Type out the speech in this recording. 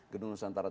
gedung nusantara tiga